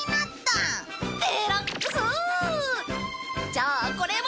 じゃあこれも。